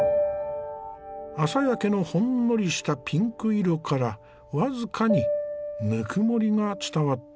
朝焼けのほんのりしたピンク色から僅かにぬくもりが伝わってくる。